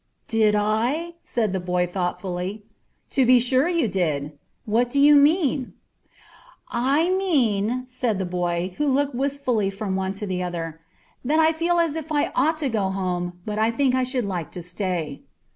"Did I?" said the boy thoughtfully. "To be sure you did. What do you mean." "I mean," said the boy, looking wistfully from one to the other, "that I feel as if I ought to go home, but I think I should like to stay."